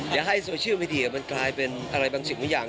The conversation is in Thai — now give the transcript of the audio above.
อย่าให้โซเชียลมีเดียมันกลายเป็นอะไรบางสิ่งบางอย่าง